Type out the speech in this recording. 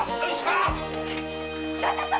・旦那様！